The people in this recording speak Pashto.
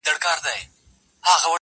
شمعي دي بلیږي او ګډیږي دي ړانده ورته-